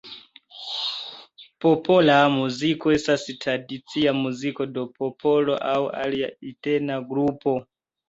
Popola muziko estas tradicia muziko de popolo aŭ alia etna grupo.